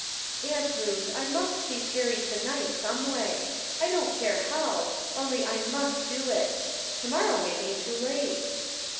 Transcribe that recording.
" Aunt Ruth, I must see Perry to night, some way ; I don't care how, only I must do it. To morrow may be too late."